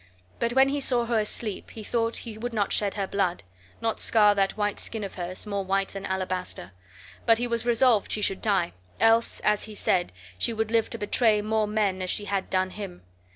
But when he saw her asleep he thought he would not shed her blood, nor scar that white skin of hers, more white than alabaster. But he was resolved she should die, else (as he said) she would live to betray, more men as she had done him.